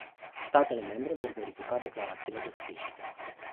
Statele membre vor verifica declarațiile de sprijin.